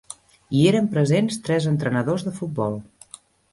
Hi eren presents tres entrenadors de futbol.